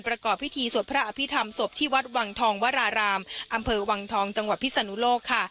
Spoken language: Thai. ประกอบพิธีสวดพระอภิษฐรรมศพที่วัดวังทองวรารามอำเภอวังทองจังหวัดพิศนุโลกค่ะ